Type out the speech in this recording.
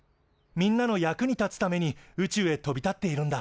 みんなの役に立つために宇宙へ飛び立っているんだ。